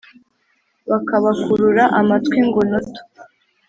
bakabakurura amatwi ngo noto